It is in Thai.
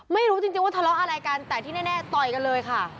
ไม่รู้จริงว่าทะเลาะอะไรกันแต่ที่แน่ต่อยกันเลยค่ะ